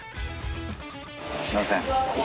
すみません。